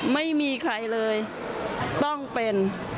ไม่มีใครเลยต้องเป็น